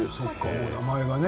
名前がね